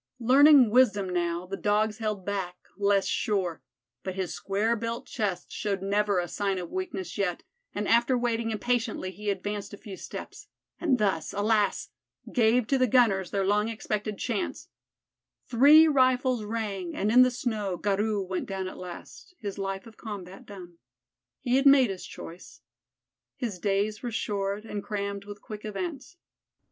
Learning wisdom now, the Dogs held back, less sure; but his square built chest showed never a sign of weakness yet, and after waiting impatiently he advanced a few steps, and thus, alas! gave to the gunners their long expected chance. Three rifles rang, and in the snow Garou went down at last, his life of combat done. He had made his choice. His days were short and crammed with quick events.